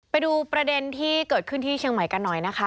ไปดูประเด็นที่เกิดขึ้นที่เชียงใหม่กันหน่อยนะคะ